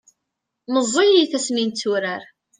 meẓẓiyit asmi netturar